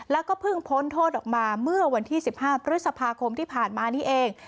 แล้วก็เพิ่งพ้นโทษออกมาเมื่อวันที่๑๕พฤษภาคมที่ผ่านมานี้เอง